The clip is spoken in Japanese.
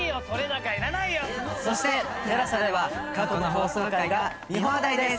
そしてＴＥＬＡＳＡでは過去の放送回が見放題です！